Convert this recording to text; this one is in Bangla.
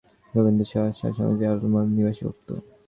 গোবিন্দলাল শা স্বামীজীর আলমোড়া-নিবাসী ভক্ত।